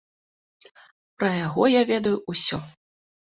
Пра яго я ведаю ўсё!